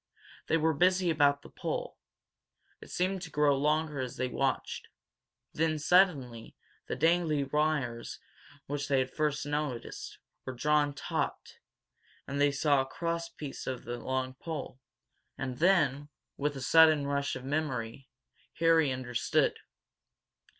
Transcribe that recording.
They were busy about the pole. It seemed to grow longer as they watched. Then, suddenly, the dangling wires they had first noticed were drawn taut, and they saw a cross piece on the long pole. And then, with a sudden rush of memory, Harry understood.